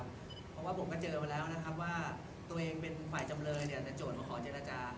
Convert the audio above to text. เพราะว่าผมก็เจอมาแล้วนะครับว่าตัวเองเป็นฝ่ายจำเลยเนี่ยแต่โจทย์มาขอเจรจา